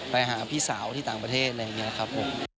ไปหาพี่สาวที่ต่างประเทศอะไรอย่างนี้ครับผม